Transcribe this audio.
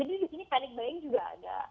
jadi disini canik baying juga ada